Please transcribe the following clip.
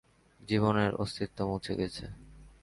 জীবনের অস্তিত্ব মুছে গেছে।